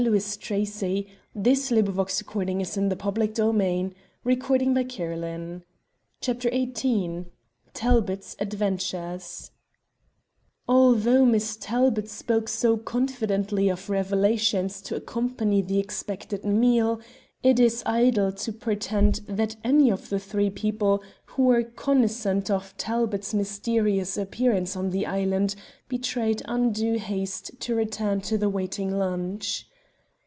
"It is a mystery," she whispered, "a deep secret. We will tell you all about it at lunch." CHAPTER XVIII TALBOT'S ADVENTURES Although Miss Talbot spoke so confidently of revelations to accompany the expected meal, it is idle to pretend that any of the three people who were cognizant of Talbot's mysterious appearance on the island betrayed undue haste to return to the waiting lunch.